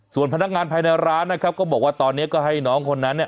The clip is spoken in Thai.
ส่วนพนักงานภายในร้านนะครับก็บอกว่าตอนนี้ก็ให้น้องคนนั้นเนี่ย